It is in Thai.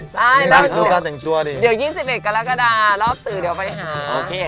ใช่แล้วเดี๋ยว๒๑กรกฎารอบสื่อเดี๋ยวไปหา